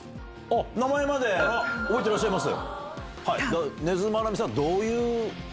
名前まで覚えてらっしゃいます？